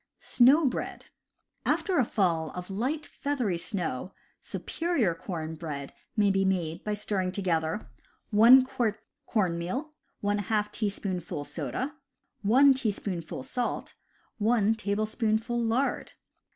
Snow Bread. — After a fall of light, feathery snow, superior corn bread may be made by stirring together 1 quart corn meal, ^ teaspoonful soda, 1 " salt, 1 tablespoonful lard.